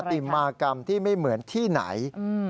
ติมากรรมที่ไม่เหมือนที่ไหน